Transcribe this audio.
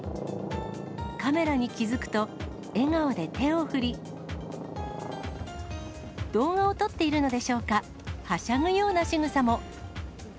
カメラに気付くと、笑顔で手を振り、動画を撮っているのでしょうか、はしゃぐようなしぐさも。